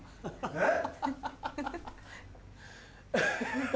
えっ？